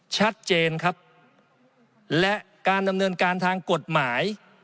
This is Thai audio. ชัดเจนครับและการดำเนินการทางกฎหมาย